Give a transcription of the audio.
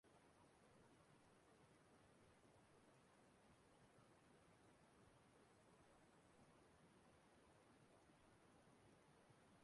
Ndi n'ebi na echiche nkea bu ndi ana-kpo "Liberal (s)".